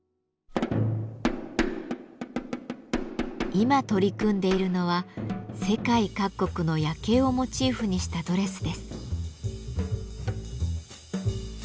今取り組んでいるのは世界各国の夜景をモチーフにしたドレスです。